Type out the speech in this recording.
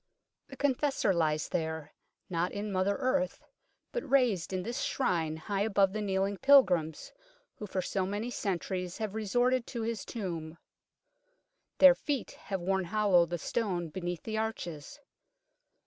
The Confessor lies there, not in mother earth, but raised in this Shrine high above the kneeling pilgrims who for so many centuries have resorted to his tomb. Their feet have worn hollow the stone beneath the arches.